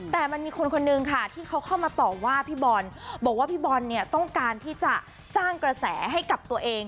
แต่มันมีคนคนนึงค่ะที่เขาเข้ามาต่อว่าพี่บอลบอกว่าพี่บอลเนี่ยต้องการที่จะสร้างกระแสให้กับตัวเอง